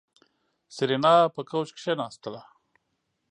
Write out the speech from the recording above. سېرېنا په کوچ کېناسته.